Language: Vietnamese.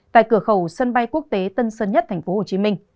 tại cửa khẩu sân bay quốc tế tân sơn nhất tp hcm